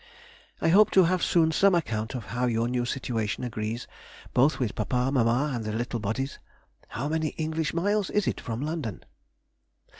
I hope to have soon some account of how your new situation agrees both with papa, mamma, and the little bodies. How many English miles is it from London?